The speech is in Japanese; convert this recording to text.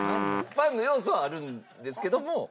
パンの要素はあるんですけども。